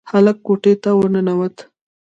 هلک کوټې ته ورننوت.